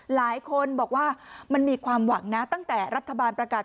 หลายคนบอกว่ามันมีความหวังนะตั้งแต่รัฐบาลประกาศ